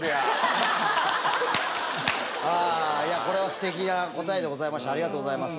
これすてきな答えでしたありがとうございます。